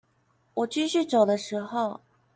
我繼續走的時候